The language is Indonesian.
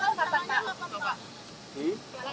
lembaran ada di indonesia